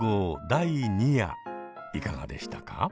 第２夜いかがでしたか？